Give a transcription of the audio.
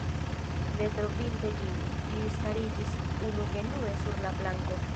Ne trovinte ĝin, li stariĝis unugenue sur la planko.